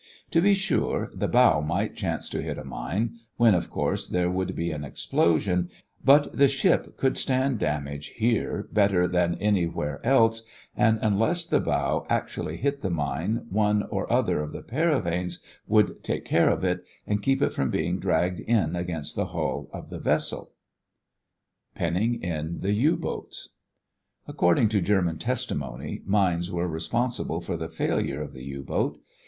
To be sure, the bow might chance to hit a mine, when, of course, there would be an explosion; but the ship could stand damage here better than anywhere else and unless the bow actually hit the mine, one or other of the paravanes would take care of it and keep it from being dragged in against the hull of the vessel. PENNING IN THE U BOATS According to German testimony, mines were responsible for the failure of the U boat.